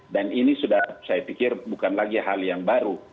ini sudah saya pikir bukan lagi hal yang baru